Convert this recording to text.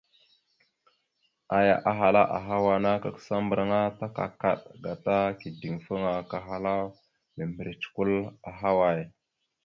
Aya ahala: « Ahawa ana kakǝsa mbarǝŋa ta kakaɗ, gata kideŋfaŋa kahala mimbirec kwal ahaway? ».